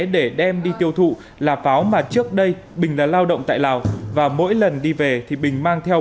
để đem đi tiêu thụ là pháo mà trước đây bình là lao động tại lào và mỗi lần đi về thì bình mang theo